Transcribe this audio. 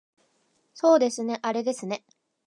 そうですねあれですね